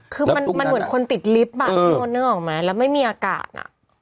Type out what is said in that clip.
คือมันมันเหมือนคนติดลิฟต์อ่ะเออนึกออกมั้ยแล้วไม่มีอากาศน่ะ